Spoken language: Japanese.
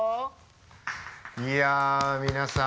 いや皆さん。